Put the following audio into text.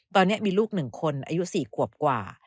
ตอนนี้มีลูก๑คนอายุ๔ขวบกว่า